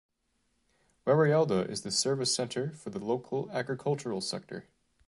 Warialda is the service centre for the local agricultural sector.